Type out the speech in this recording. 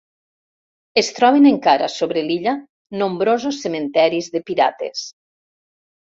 Es troben encara sobre l'illa nombrosos cementiris de pirates.